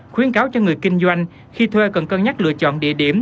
khuyến cáo cho người kinh doanh khi thuê cần cân nhắc lựa chọn địa điểm